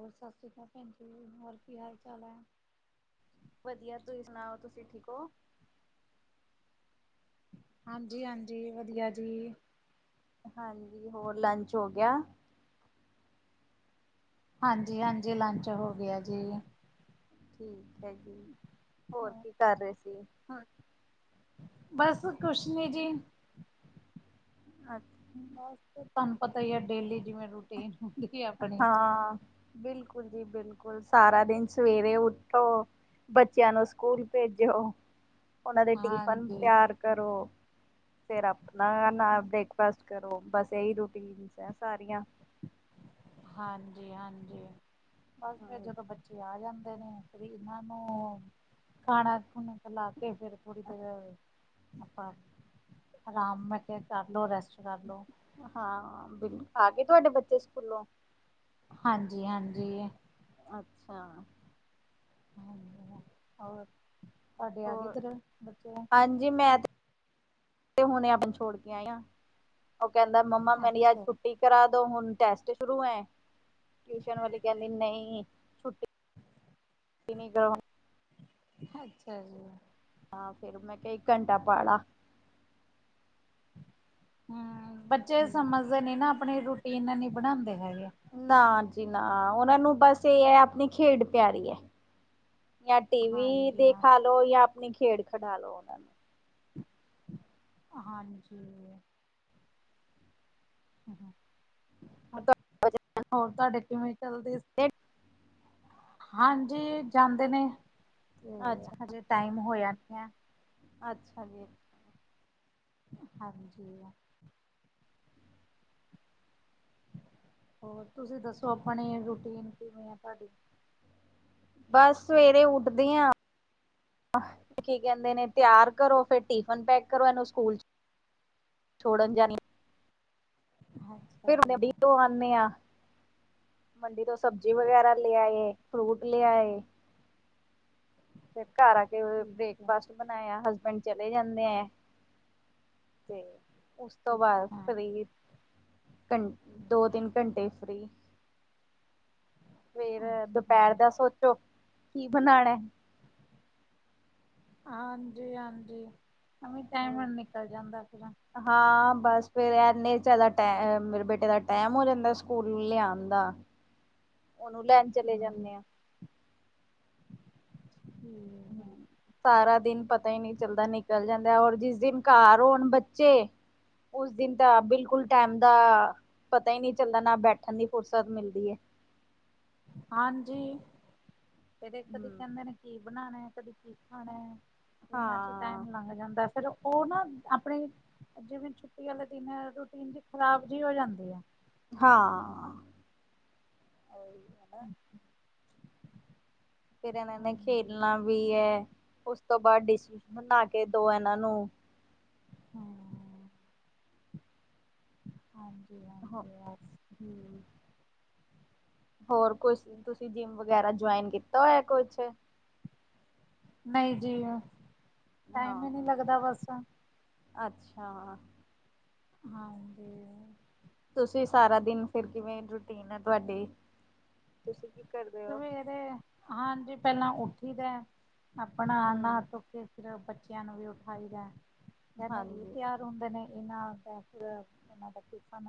ਹੋਰ ਸਤਿ ਸ਼੍ਰੀ ਅਕਾਲ ਭੈਣ ਜੀ, ਹੋਰ ਕੀ ਹਾਲ-ਚਾਲ ਐ? ਵਧੀਆ, ਤੁਹੀ ਸੁਣਾਓ ਤੁਸੀ‌ ਠੀਕ ਹੋ? ਹਾਂਜੀ-ਹਾਂਜੀ, ਵਧੀਆ ਜੀ। ਹਾਂਜੀ, ਹੋਰ ਲੰਚ ਹੋਗਿਆ? ਹਾਂਜੀ-ਹਾਂਜੀ ਲਾੰਚ ਹੋਗਿਆ ਜੀ। ਹੋਰ ਕੀ ਕਰ ਰਹੇ ਸੀ? ਹਾਂ, ਬਸ ਕੁਛ ਨੀ ਜੀ। ਹਾਂ ਬਸ, ਤੁਹਾਨੂੰ ਪਤਾ ਹੀ ਆ ਡੇਲੀ ਜਿਵੇਂ ਰੂਟੀਨ ਹੁੰਦੀ ਆ ਆਪਣੀ। ਹਾਂ ਬਿਲਕੁਲ ਜੀ-ਬਿਲਕੁਲ, ਸਾਰਾ ਦਿਨ ਸਵੇਰੇ ਉੱਠੋ ਬੱਚਿਆਂ ਨੂੰ ਸਕੂਲ ਭੇਜੋ, ਉਹਨਾਂ ਦੇ ਟਿਫਨ ਹਾਂਜੀ ਤਿਆਰ ਕਰੋ। ਫਿਰ ਆਪਣਾ ਨਾਲ ਬ੍ਰੇਕਫਾਸਟ ਕਰੋ, ਬਸ ਇਹੀ ਰੂਟੀਨ ਸਾਰੀਆਂ। ਹਾਂਜੀ-ਹਾਂਜੀ। ਬਸ ਫਿਰ ਜਦੋਂ ਬੱਚੇ ਆ ਜਾਂਦੇ ਨੇ, ਫਿਰ ਇਹਨਾਂ ਨੂੰ ਖਾਣਾ-ਖੁਣਾ ਖ਼ਿਲਾਕੇ, ਫੇਰ ਥੋੜ੍ਹੀ ਦੇਰ ਆਪਾ ਆਰਾਮ ਮੈ ਕਿਆ ਕਰਲੋ, ਰੈਸਟ ਕਰਲੋ। ਹਾਂ, ਬਿਲ ਆ ਗਏ ਤੁਹਾਡੇ ਬੱਚੇ ਸਕੂਲੋ? ਹਾਂਜੀ-ਹਾਂਜੀ। ਅੱਛਾ। ਹਾਂ ਮ, ਹੋਰ? ਤੁਹਾਡੇ ਆ ਗਏ ਹੋਰ? ਇੱਧਰ ਬੱਚੇ ਹਾਂਜੀ ''ਮੈਂ ਤੇ ਹੁਨੇ [unintelligible] ਨੂੰ ਛੋੜਕੇ ਆਈ ਆਂ। ਓ ਕੈਂਦਾ ਮੰਮਾ ਮੇਰੀ ਅੱਜ ਅੱਛਾ ਛੁੱਟੀ ਕਰਾਦੋ, ਹੁਨ ਟੈਸਟ ਸ਼ੁਰੂ ਐਂਂ। ਟਿਯੂਸ਼ਨ ਵਾਲੀ ਕੈਂਦੀ ਨਈ, ਛੁੱਟੀ [inaudible] ਨੀ ਕਰਵਾ ਅੱਛਾ ਜੀ। ਹਾਂ, ਫੇਰ ''ਮੈਂ ਕਿਆ ਏਕ ਘੰਟਾ ਪੱੜ ਆ। ਹੂੰ, ਬੱਚੇ ਸਮਝਦੇ ਨੀ ਨਾ ਅਪਣੀ ਰੂਟੀਨ ਨੀ ਬਣਾਂਦੇ ਹੈਗੇ। ਨਾ ਜੀ ਨਾ, ਓਨਾਂ ਨੂੰ ਬਸ ਏ ਐ, ਆਪਨੀ ਖੇਡ ਪਿਆਰੀ ਐ। ਯਾਂ ਟੀਵੀ ਹਾਂਜੀ ਹਾਂ ਦੇਖਾਲੋ, ਯਾ ਆਪਨੀ ਖੇਡ ਖਿਡਾਲੋ ਓਨਾਂ ਨੂੰ। ਹਾਂਜੀ। ਹੋਰ ਤਾਡੇ ਕਿਵੇਂ ਚੱਲਦੇ ਹਾਂਜੀ ਜਾਂਦੇ ਨੇ ਤੇ ਅੱਛਾ ਹਜੇ ਟਾਈਮ ਹੋਯਾ ਨੀ ਐ। ਅੱਛਾ ਜੀ। ਹਾਂਜੀ। ਹੋਰ ਤੁਸੀ ਦੱਸੋ ਆਪਣੀ ਰੂਟੀਨ ਕਿਵੇਂ ਆ ਤਾਡੀ ਬੱਸ ਸਵੇਰੇ ਉੱਟਦੇ ਆਂ। ਕੀ ਕੈਂਦੇ ਨੇ ਤਯੲਰ ਕਰੋ ਫੇਰ ਟਿਫਨ ਪੈਕ ਕਰੋ ਏਨੂੰ ਸਕੂਲ 'ਚ ਛੋੜਨ ਜਾਨੀ [inaudible] ਫਿਰ [unintelligible] ਧੋ ਆਨੇ ਆ। ਮੰਡੀ ਤੋ ਸਬਜ਼ੀ ਵਗੈਰਾ ਲੇ ਆਏ, ਫਰੂਟ ਲੇ ਆਏ। ਫਿਰ ਘਰ ਆ ਕੇ ਠੀਕ ਹੈ ਬ੍ਰੇਕਫਾਸਟ ਬਨਾਯਾ ਹਸਬੈਂਡ ਚਲੇ ਜਾਂਦੇ ਐ ਤੇ ਉਸ ਤੋ ਠੀਕ ਬਾਦ ਹਾਂ ਫਰੀ ਘੰ ਦੋ-ਤਿੰਨ ਘੰਟੇ ਫਰੀ ਫੇਰ ਦੁਪੈਰ ਹਾਂਜੀ ਦਾ ਸੋਚੋ ਕੀ ਬਨਾਣਾ। ਹਾਂਜੀ-ਹਾਂਜੀ ਐਂਵੇ ਟਾਈਮ ਨਿਕਲ ਜਾਂਦਾ ਆਪਣਾ ਹਾਂ ਬਸ ਫੇਰ ਐਨੇ 'ਚ ਇਦਾ ਟੈਮ ਮੇਰੇ ਬੇਟੇ ਦਾ ਟੈਮ ਹੋ ਜਾਂਦਾ ਸਕੂਲ ਲਿਯਾਨ ਦਾ ਓਨੂੰ ਲੈਨ ਚਲੇ ਜਾਨੇ ਆ। ਹੂੰ। ਹੂੰ ਸਾਰਾ ਦਿਨ ਪਤਾ ਈ ਨੀ ਚੱਲਦਾ ਨਿਕਲ ਜਾਂਦੈ ਔਰ ਜਿਸ ਦਿਨ ਘਾਰ ਹੋਨ ਬੱਚੇ ਉਸ ਦਿਨ ਤਾ ਬਿਲਕੁਲ ਟੈਮ ਦਾ ਪਤਾ ਈ ਨੀ ਚੱਲਦਾ ਨਾ ਬੈਠਨ ਦੀ ਫੁਰਸਤ ਮਿਲਦੀ ਏ। ਹਾਂਜੀ ਫਿਰ ਏ ਕਦੇ ਹਮ ਕੈਂਦੇ ਨੇ ਕੀ ਬਨਾਨਾ ਕਦੀ ਕੀ ਖਾਣੇ ਏਨਾ 'ਚ ਈ ਹਾਂ ਟਾਈਮ ਲੰਘ ਜਾਂਦੈ। ਫੇਰ ਓਨਾ ਆਪਨੇ ਜਿਵੇਂ ਛੁੱਟੀ ਆਲੇ ਦਿਨ ਰੂਟੀਨ ਜੀ ਖ਼ਰਾਬ ਜੀ ਹੋ ਜਾਂਦੀ ਆ। ਹਾਂ। [inaudible] ਫੇਰ ਐਨਾਂ ਨੇ ਹਾਂਜੀ ਖੇਲਨਾ ਵੀ ਐ ਉਸ ਤੋਂ ਬਾਦ ਡਿਸ [unintelligible] ਬਨਾ ਕੇ ਦੋ ਐਨਾ ਨੂੰ ਹਾਂ। ਹਾਂਜੀ- ਹਾਂਜੀ ਅਸ ਹੂੰ ਹੋਰ ਕੁਛ ਤੁਸੀ ਜਿੰਮ ਵਗੈਰਾ ਜੋਆਇਨ ਕੀਤਾ ਹੋਯਾ ਕੁਛ ਨਈ ਜੀ ਟਾਈਮ ਈ ਨੀ ਹਾਂ ਲੱਗਦਾ ਬਸ ਅੱਛਾ ਹਾਂਜੀ। ਤੁਸੀ ਸਾਰਾ ਦਿਨ ਫੇਰ ਕਿਵੇਂ ਰੂਟੀਨ ਐ ਤੁਆਡੀ ਸਵੇਰੇ ਹਾਂਜੀ ਪੈਲਾਂ ਉੱਠੀ ਦੈ ਅਪਨਾ ਨਾ ਹਮ ਧੋਕੇ ਫੇਰ ਬੱਚਯਾਂ ਨੂੰ ਵੀ ਉਠਾਈਦੈ ਪੈਲੇ ਏ ਹਾਂਜੀ ਤਯਾਰ ਹੁੰਦੇ ਨੇ ਏਨਾਂ ਦਾ ਏਨਾਂ ਦਾ ਟਿਫਨ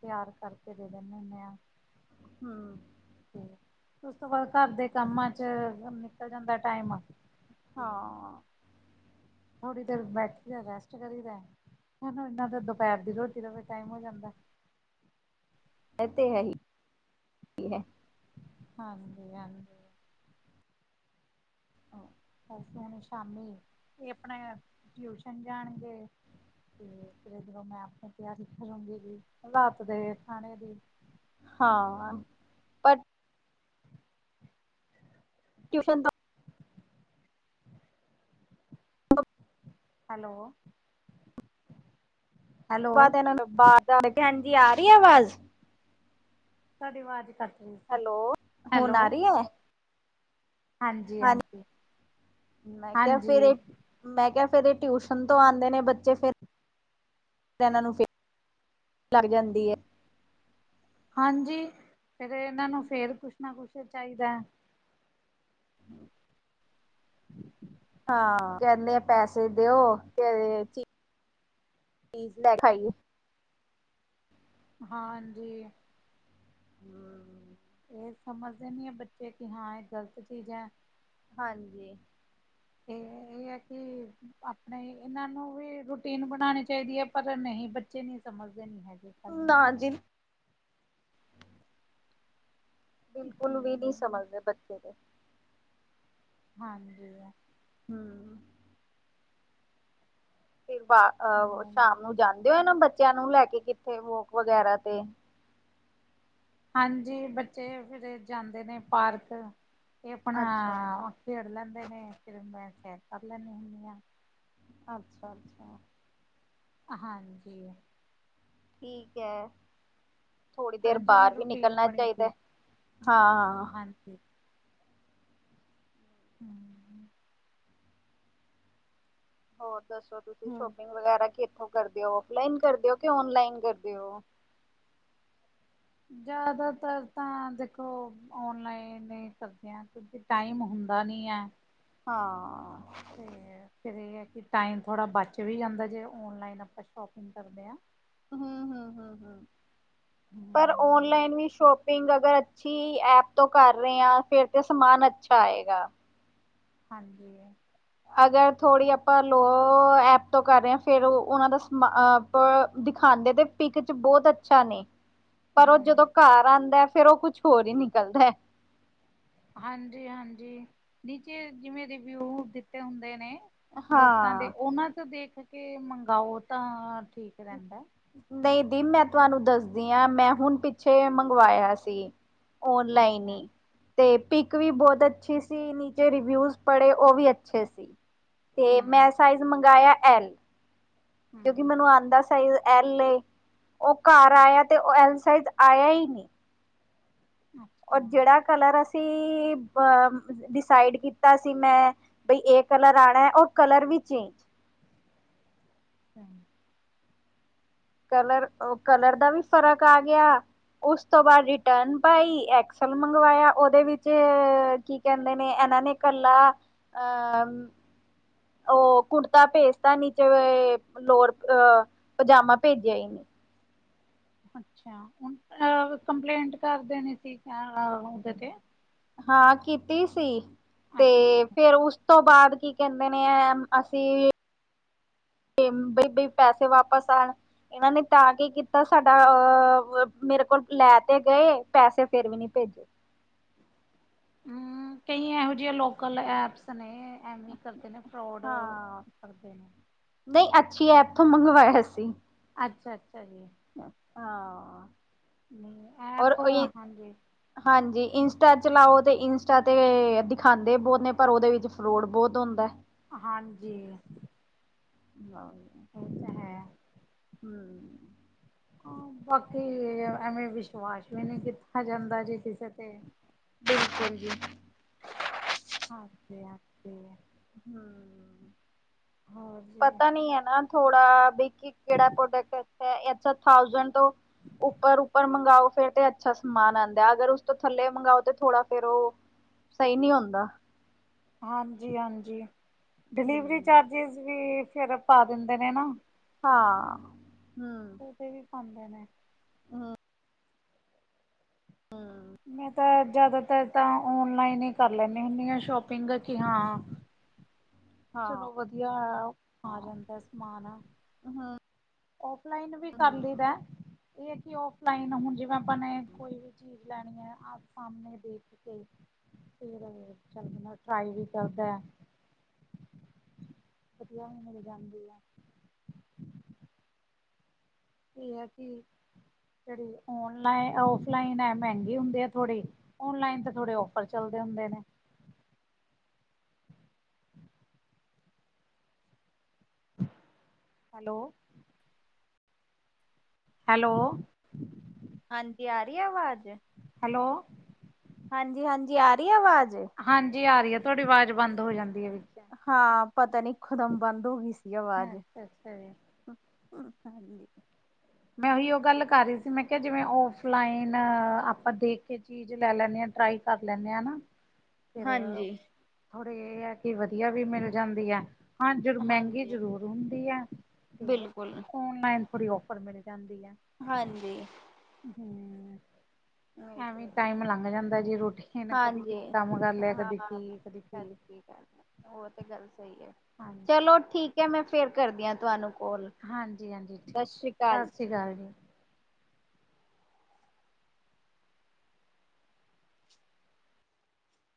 ਤਿਆਰ ਕਰਕੇ ਦੇ ਦਿੰਦੇ ਹੁੰਣੇ ਆਂ। ਹੂੰ ਹੂੰ ਉਸ ਤੋਂ ਬਾਅਦ ਘਰ ਦੇ ਕੰਮਾਂ 'ਚ ਨਿਕਲ ਜਾਂਦਾ ਟਾਈਮ ਤੇ ਹਾਂ। ਥੋੜ੍ਹੀ ਦੇਰ ਬੈਠੀ ਦਾ ਰੈਸਟ ਕਰੀ ਦਾੂੰ ਇਨਾ ਦੇ ਦੁਪਹਿਰ ਦੀ ਰੋਟੀ ਦਾ ਟਾਈਮ ਹੋ ਜਾਂਦਾ। [unintelligible] ਹੀ ਹਾਂਜੀ-ਹਾਂਜੀ ਆਹ। ਹੁਣ ਸ਼ਾਮੀ ਇਹ ਆਪਣੇ, ਟਿਊਸ਼ਨ ਜਾਣਗੇ। ਤੇ ਫਿਰ ਜਦੋਂ ਮੈਂ ਆਪਣੇ ਤਿਆਰੀ ਕਰੂੰਗੀ ਜ ਹਾਲਤ ਦੇ ਖਾਣੇ ਦੀ। ਹਾਂ। ਪਰ ਟਿਊਸ਼ਨ ਦਾ ਹੈਲੋ। ਹੈਲੋ ਬਾਅਦ ਇਹਨਾਂ ਨੂੰ ਭੈਣਜੀ ਹਾਂਜੀ ਆ ਰਹੀ ਆਵਾਜ਼ ਸਾਡੀ ਆਵਾਜ਼ ਘੱਟ ਹੈਲੋ। ਹੁ ਨਾਰੀ ਹੈ ਹਾਂਜੀ ਹਾਂਜੀ ਹਾਂਜੀ। ਮੈਂ ਕਿਹਾ ਹਾਂਜੀ ਫੇਰ ਮੈਂ ਕਿਹਾ, ਫੇਰ ਇਹ ਟਿਊਸ਼ਨ ਤੋਂ ਆਉਂਦੇ ਨੇ ਬੱਚੇ ਫੇਰ। ਇਹਨਾਂ ਨੂੰ ਫ, ਲੱਗ ਜਾਂਦੀ ਹੈ। ਹਾਂਜੀ। ਫਿਰ ਇਹਨਾਂ ਨੂੰ ਫੇਰ ਕੁਛ ਨਾ ਕੁਛ ਚਾਹੀਦਾ ਹੈ। [inaudible] ਹਾਂ, ਕਹਿੰਦੇ ਪੈਸੇ ਦਿਓ ਚੀਜ਼ ਲੈ ਖਾਈਏ ਹਾਂਜੀ। ਹਮ। ਅਤੇ ਸਮਝਦੇ ਨਹੀਂ ਹੈ ਬੱਚੇ ਕਿ ਹਾਂ ਇਹ ਗਲਤ ਚੀਜ਼ ਹੈ। ਹਾਂਜੀ। ਤੇ ਇਹ ਆ ਕਿ ਆਪਣੇ ਇਹਨਾਂ ਨੂੰ ਵੀ ਰੂਟੀਨ ਬਣਾਉਣੀ ਚਾਹੀਦੀ ਹੈ। ਪਰ ਨਹੀਂ ਬੱਚੇ ਨੀ ਸਮਝਦੇ ਨੀ ਹੈਗੇ। ਗੱਲ ਨੂੰ ਨਾ ਜੀ। ਬਿਲਕੁਲ ਵੀ ਨਹੀਂ ਸਮਝਦੇ ਬੱਚੇ ਦੇ। ਹਾਂਜੀ। ਹਮ। ਫਿਰ ਬਾਹ ਹਾਂਜੀ ਸ਼ਾਮ ਨੂੰ ਜਾਂਦੇ ਹੋ ਨਾ ਬੱਚਿਆਂ ਨੂੰ ਲੈ ਕੇ ਕਿੱਥੇ ਵੋਕ ਵਗੈਰਾ ਤੇ ਹਾਂਜੀ। ਬੱਚੇ ਫਿਰ ਜਾਂਦੇ ਨੇ ਪਾਰਕ ਤੇ ਆਪਣਾ ਅੱਛਾ ਖੇੜ ਲੈਂਦੇ ਨੇ ਫਿਰ ਮੈਂ ਸੈਰ ਕਰ ਲੈਂਦੀ ਹੁੰਦੀ ਹਾਂ। ਅੱਛਾ-ਅੱਛਾ ਹਾਂਜੀ। ਠੀਕ ਹੈ। ਥੋੜ੍ਹੀ ਹਾਂ ਦੇਰ ਜਿਵੇਂ ਬਾਹਰ ਵੀ ਰੂਟੀਨ ਨਿਕਲਣਾ ਬਣੀ ਹੁੰਦੀ ਚਾਹੀਦਾ ਹੈ। ਹਾਂ-ਹਾਂ। [unintelligible] ਹਮ। ਹੋਰ ਦੱਸੋ ਤੁਸੀਂ ਹੋਰ ਸ਼ੋਪਿੰਗ ਵਗੈਰਾ ਕਿ ਇੱਥੋਂ ਕਰਦੇ ਹੋ, ਫਲਾਈਨ ਕਰਦੇ ਹੋ ਕਿ ਔਨਲਾਈਨ ਕਰਦੇ ਹੋ। ਜ਼ਿਆਦਾਤਰ ਤਾਂ ਦੇਖੋ ਓਨਲਾਈਨ ਸਬਦਿਆ ਕਿਉਕਿ ਟਾਈਮ ਹੁੰਦਾ ਨੀ ਹੈ। ਹਾਂ। ਅਤੇ ਫਿਰ ਇਹ ਹੈ ਕਿ ਟਾਈਮ ਥੋੜ੍ਹਾ ਬਚ ਵੀ ਜਾਂਦਾ ਜੇ ਔਨਲਾਈਨ ਆਪਾਂ ਸ਼ੋਪਿੰਗ ਕਰਦੇ ਹਾਂ। ਹਮ [unintelligible] ਪਰ ਹੂੰ ਓਨਲਾਈਨ ਵੀ ਸ਼ੋਪ ਅਗਰ ਅੱਛੀ ਐਪ ਤੋਂ ਕਰ ਰਹੇ ਹਾਂ ਫੇਰ ਤੇ ਸਮਾਨ ਅੱਛਾ ਆਏਗਾ। ਹਾਂਜੀ। ਅਗਰ ਥੋੜ੍ਹੀ ਆਪਾਂ ਲੋ ਐਪਤੋਂ ਕਰ ਰਹੇ ਹਾਂ, ਫਿਰ ਉਹ ਉਹਨਾਂ ਦਾ ਸਮਾ ਦਿਖਾਉਂਦੇ ਤਾਂ। ਪਿਕ ਚ ਬਹੁਤ ਅੱਛਾ ਨੇ, ਪਰ ਉਹ ਹੂੰ ਜਦੋਂ ਘਰ ਆਉਂਦਾ ਫਿਰ ਉਹ ਕੁਛ ਹੋਰ ਹੀ ਨਿਕਲਦਾ ਹਾਂਜੀ ਹਾਂਜੀ ਨੀਚੇ ਜਿਵੇਂ ਰਿਵਿਊ ਦਿੱਤੇ ਹੁੰਦੇ ਨੇ ਲੋਕਾਂ ਹਾਂ ਦੇ ਉਹਨਾਂ ਤੋਂ ਦੇਖ ਕੇ ਮੰਗਾਓ ਤਾਂ ਠੀਕ ਰਹਿੰਦਾ। ਨਹੀਂ ਦੀ ਮੈਂ ਤੁਹਾਨੂੰ ਦੱਸਦੀ ਆ। ਮੈਂ ਹੁਣ ਪਿੱਛੇ ਮੰਗਵਾਇਆ ਸੀ। ਔਨਲਾਈਨ ਅੱਛਾ ਈ। ਤੇ ਪਿਕ ਵੀ ਬਹੁਤ ਅੱਛੀ ਸੀ, ਨੀਚੇ ਰਿਵਿਊਜ਼ ਪੜ੍ਹੇ ਉਹ ਵੀ ਅੱਛੇ ਸੀ। ਤੇ ਹੂੰ ਮੈਂ ਸਾਈਜ਼ ਮੰਗਵਾਆ ਐਲ ਕਿਉਂਕਿ ਮੈਨੂੰ ਆਉਂਦਾ ਸਾਈਜ਼ ਐਲ ਏ। ਉਹ ਘਰ ਆਇਯਾ ਤੇ ਉਹ ਐਲ ਸਾਈਜ਼ ਆਇਆ ਹੀ ਨਹੀ। ਔਰ ਅੱਛਾ ਜਿਹੜਾ ਕਲਰ ਅਸੀਂ ਬ ਡਿਸਾਈਡ ਕੀਤਾ ਸੀ ਮੈਂ, ਬਈ ਇਹ ਕਲਰ ਆਣਾ ਓ ਕਲਰ ਵੀ ਚੇਂਜ ਹਾਂ ਕਲਰ, ਕਲਰ ਦਾ ਵੀ ਫ਼ਰਕ ਆ ਗਿਆ। ਉਸ ਤੋਂ ਬਾਅਦ ਰਿਟਰਨ ਪਾਈ, ਐਕਸਲ ਮੰਗਵਾਇਆ ਉਹਦੇ ਵਿੱਚ ਕੀ ਕਹਿੰਦੇ ਨੇ ਇਹਨਾਂ ਨੇ ਇਕੱਲਾ ਅਹ ਉਹ ਕੁੜਤਾ ਭੇਜਤਾ ਨੀਚੇ ਲੋਅਰ ਅ ਪਜਾਮਾ ਭੇਜਿਆ ਹੀ ਨਹੀ। ਅੱਛਾ ਹੁਣ ਕੰਪਲੇਂਟ ਕਰ ਦੇਣੀ ਸੀ ਉਹਦੇ ਤੇ ਹਾਂ ਕੀਤੀ ਸੀ। ਅੱਛਾ ਤੇ ਫਿਰ ਉਸ ਤੋਂ ਬਾਅਦ ਕੀ ਕਹਿੰਦੇ ਨੇ ਅਸੀਂ ਬਈ ਬਈ ਪੈਸੇ ਵਾਪਸ ਆਉਣ ਇਹਨਾਂ ਨੇ ਤਾਂ ਕੀ ਕੀਤਾ ਸਾਡਾ, ਅ ਮੇਰੇ ਕੋਲ ਲੈ ਤੇ ਗਏ ਪੈਸੇ ਫੇਰ ਵੀ ਨਹੀਂ ਭੇਜੇ ਹਮ ਕਈ ਇਹੋ ਜਿਆਂ ਲੋਕਲ ਐਪਸ ਨੇ ਹਾਂਜੀ ਹੀ ਕਰਦੀ ਆ ਫਰੋਡ ਹਾਂ ਕਰਦੇ ਨੇ ਨਹੀਂ ਅੱਛੀ ਐਪ ਤੋਂ ਮੰਗਵਾਇਆ ਸੀ। ਅੱਛਾ ਅੱਛਾ ਜੀ। ਹਾਂ ਨਹੀਂ ਔਰ ਐਪ ਹਾਂਜੀ। ਹਾਂਜੀ ਇੰਸਟਾ ਚਲਾਓ ਤੇ ਇੰਸਟਾ ਤੇ ਦਿਖਾਉਂਦੇ ਬਹੁਤ ਨੇ ਪਰ ਉਹਦੇ ਵਿੱਚ ਫਰੋਡ ਬਹੁਤ ਹੁੰਦਾ। ਹਾਂਜੀ ਹਾਂ ਇਹ ਤਾਂ ਹੈ। ਹਮ ਬਾਕੀ ਐਵੇਂ ਵਿਸ਼ਵਾਸ ਵੀ ਨਹੀਂ ਕੀਤਾ ਜਾਂਦਾ ਜੀ ਕਿਸੇ ਤੇ। ਬਿਲਕੁਲ ਜੀ ਹਾਂਜੀ ਹਾਂਜੀ ਹਮ ਹੋਰ ਜੀ ਪਤਾ ਨੀ ਹੈ ਨਾ ਥੋੜਾ ਬ ਕਿਹੜਾ ਪ੍ਰੋਡਕਟ ਅੱਛਾ ਹੈ ਥੋਸੰਡ ਤੋਂ ਉਪਰ ਉਪਰ ਮੰਗਾਓ ਫੇਰ ਤੇ ਅੱਛਾ ਸਮਾਨ ਆਉਂਦਾ, ਅਗਰ ਉਸ ਤੋਂ ਥੱਲੇ ਮੰਗਵਾਓ ਤੇ ਥੋੜਾ ਫੇਰ ਉਹ ਸਹੀ ਨਹੀ ਹੁੰਦਾ। ਹਾਂਜੀ ਹਾਂਜੀ, ਡਿਲੀਵਰੀ ਚਾਰਜਿਸ ਵੀ ਫਿਰ ਪਾ ਦਿੰਦੇ ਨੇ ਨਾ। ਹਾਂ ਉਹਦੇ ਵੀ ਖਾਂਦੇ ਨੇ ਹਾਂ ਮੈਂ ਤਾਂ ਜ਼ਿਆਦਾਤਰ ਤਾਂ ਓਨਲਾਈਨ ਹੀ ਕਰ ਲੈਂਦੀ ਹੁੰਦੀ ਹਾਂ ਸ਼ੋਪਿੰਗ ਜੀ ਹਾਂ ਚਲੋ ਹਾਂ ਵਧੀਆ ਆ ਜਾਂਦਾ ਸਮਾਨ ਹਾਂ ਅਫਲਾਈਨ ਵੀ ਕਰ ਲਈਦਾ ਇਹ ਹੈ ਕਿ ਅਫਲਾਈਨ ਹੁਣ ਜਿਵੇਂ ਆਪਾਂ ਨੇ ਕੋਈ ਵੀ ਚੀਜ਼ ਲੈਣੀ ਹੈ ਆਪ ਸਾਹਮਣੇ ਦੇਖ ਕੇ ਫਿਰ ਚੱਲ ਬੰਦਾ ਟਰਾਈ ਵੀ ਕਰਦਾ ਹੈ। ਵਧੀਆ ਵੀ ਮਿਲ ਜਾਂਦੀ ਆ। ਇਹ ਹੈ ਕਿ ਜਿਹੜੀ ਓਨਲਾਈਨ ਔਫਲਾਈਨ ਹੈ ਮਹਿੰਗੇ ਹੁੰਦੇ ਆ ਥੋੜੇ, ! ਓਨਲਾਈਨ ਤੇ ਥੋੜੇ ਔਫਰ ਚੱਲਦੇ ਹੁੰਦੇ ਨੇ! ਹੈਲੋ! ਹੈਲੋ ਹਾਂਜੀ ਆ ਰਹੀ ਹੈ ਆਵਾਜ਼? ਹੈਲੋ ਹਾਂਜੀ ਹਾਂਜੀ ਆ ਰਹੀ ਐ ਆਵਾਜ਼? ਹਾਂਜੀ ਆ ਰਹੀ ਹੈ ਤੁਹਾਡੀ ਆਵਾਜ਼ ਬੰਦ ਹੋ ਜਾਂਦੀ ਹੈ ਵਿਚ,, ਹਾਂ ਪਤਾ ਨੀ ਇੱਕੋ ਦਮ ਬੰਦ ਹੋ ਗਈ ਸੀ ਅਵਾਜ਼! ਅੱਛਾ ਅੱਛਾ ਜੀ [unintelligible] ਮੈਂ ਉਹੀ ਉਹ ਗੱਲ ਕਰ ਰਹੀ ਸੀ ਮੈਂ ਕਿਹਾ ਜਿਵੇਂ ਔਫਲਾਈਨ ਆਪਾਂ ਦੇਖ ਕੇ ਚੀਜ਼ ਲੈ ਲੈਂਦੇ ਹਾਂ ਟਰਾਈ ਕਰ ਲੈਂਦੇ ਹਾਂ ਨਾ! [inaudible] ਫਿਰ ਥੋੜੀ ਇਹ ਆ ਕਿ ਵਧੀਆ ਵੀ ਮਿਲ ਜਾਂਦੀ ਹੈ! ਹਾਂ ਜ ਮਹਿੰਗੀ ਹਾਂਜੀ ਜ਼ਰੂਰ ਹੁੰਦੀ ਹੈ ਤੇ ਬਿਲਕੁਲ ਓਨਲਾਈਨ ਥੋੜੀ ਆਫ ਉਪਰ ਮਿਲ ਜਾਂਦੀ ਹੈ! ਹਾਂਜੀ, ! [unintelligible] ਐਵੇਂ ਟਾਈਮ ਲੰਘ ਜਾਂਦਾ ਜੀ ਰੂਟੀਨ ਕਦੇ ਹਾਂਜੀ ਕੰਮ ਕਰ ਲਿਆ ਹਾਂ ਕਦੇ ਕੀ ਕਦੇ ਕੀ ਕਦ ਕਰ ਉਹ ਤੇ ਗੱਲ ਸਹੀ ਹੈ ਹਾਂਜੀ ਚਲੋ ਠੀਕ ਹੈ ਮੈਂ ਫੇਰ ਕਰਦੀ ਹੈ ਤੁਹਾਨੂੰ ਕਾਲ ਹਾਂਜੀ ਹਾਂਜੀ ਸਤਿ ਠੀਕ ਹੈ ਸ੍ਰੀ ਅਕਾਲ ਸ਼੍ਰੀ ਜੀ ਅਕਾਲ